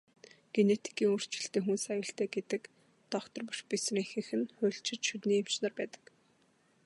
Генетикийн өөрчлөлттэй хүнс аюултай гэдэг доктор, профессорын ихэнх нь хуульчид, шүдний эмч нар байдаг.